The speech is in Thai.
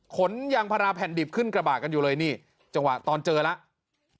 ขนยางพาราแผ่นดิบขึ้นกระบะกันอยู่เลยนี่จังหวะตอนเจอแล้ว